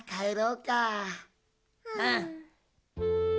うん。